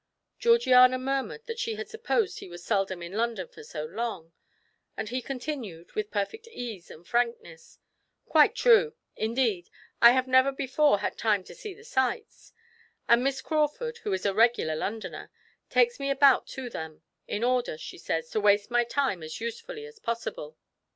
Georgiana murmured that she had supposed he was seldom in London for so long, and he continued, with perfect ease and frankness: "Quite true; indeed, I have never before had time to see the sights; and Miss Crawford, who is a regular Londoner, takes me about to them, in order, she says, to waste my time as usefully as possible.